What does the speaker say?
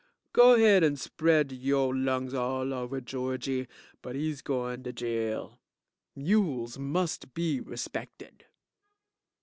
(To LAWYER) Go 'head, and spread yo' lungs all over Georgy, but he's goin' to jail! Mules must be respected.